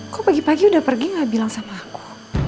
kok pagi pagi udah pergi gak bilang sama aku